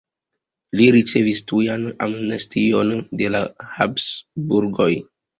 Li ricevis tujan amnestion de la Habsburgoj.